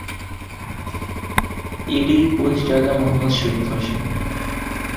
এটির প্রতিষ্ঠাতা সেলিম খান।